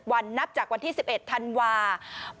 นับจากวันที่๑๑ธันวาคม